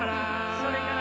「それから」